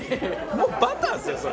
もうバターですよそれ。